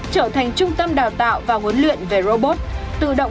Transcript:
trở thành trung tâm đào tạo và huấn luyện về robot